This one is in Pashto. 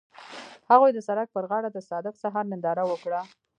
هغوی د سړک پر غاړه د صادق سهار ننداره وکړه.